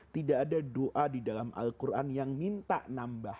tidak ada doa di dalam al quran yang minta nambah